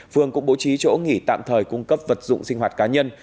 phường cũng bố trí chỗ nghỉ tạm thời cung cấp vật dụng sinh hoạt cá nhân